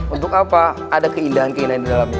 untuk apa ada keindahan keindahan di dalamnya